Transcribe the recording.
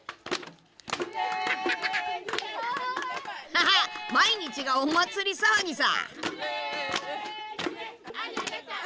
ハハッ毎日がお祭り騒ぎさ。